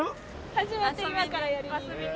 初めて今からやりに。